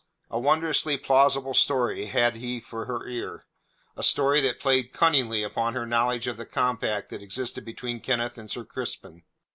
A wondrously plausible story had he for her ear; a story that played cunningly upon her knowledge of the compact that existed between Kenneth and Sir Crispin.